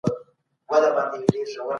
دوی د نوي روزنيزي تګلاري څخه هرکلی کړی دی.